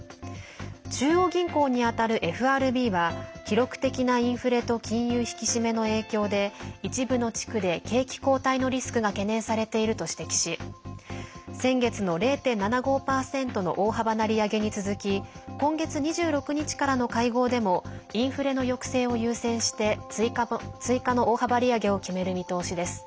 中央銀行に当たるＦＲＢは記録的なインフレと金融引き締めの影響で一部の地区で景気後退のリスクが懸念されていると指摘し先月の０．７５％の大幅な利上げに続き今月２６日からの会合でもインフレの抑制を優先して追加の大幅利上げを決める見通しです。